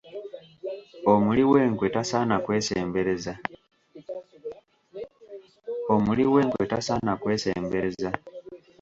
Omuli w'enkwe tasaana kwesembereza.